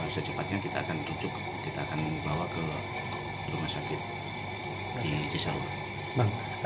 secepatnya kita akan duduk kita akan bawa ke rumah sakit di cisau